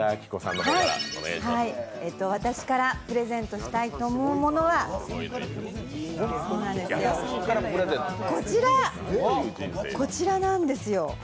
私からプレゼントしたいと思うものはこちら。